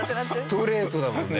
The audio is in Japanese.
ストレートだもんね。